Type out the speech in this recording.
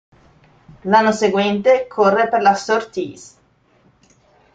L'anno seguente corre per la Surtees.